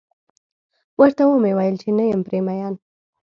ورته و مې ويل چې نه یم پرې مين.